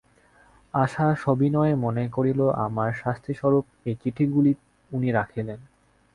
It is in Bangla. আশা সবিনয়ে মনে করিল, আমার শাস্তিস্বরূপ এ চিঠিগুলি উনি রাখিলেন।